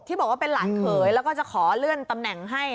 บอกว่าเป็นหลานเขยแล้วก็จะขอเลื่อนตำแหน่งให้